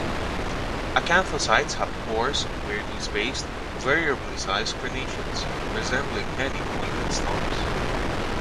Acanthocytes have coarse, weirdly spaced, variably sized crenations, resembling many-pointed stars.